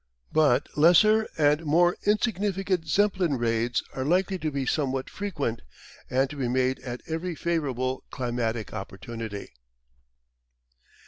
But lesser and more insignificant Zeppelin raids are likely to be somewhat frequent, and to be made at every favourable climatic opportunity.